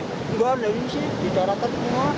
enggak ada yang di daratan semua